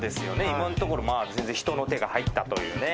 今んところ全然人の手が入ったというね。